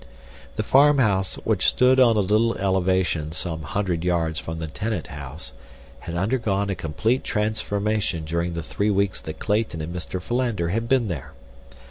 The farmhouse, which stood on a little elevation some hundred yards from the tenant house, had undergone a complete transformation during the three weeks that Clayton and Mr. Philander had been there.